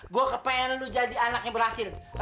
gue kepengen lu jadi anak yang berhasil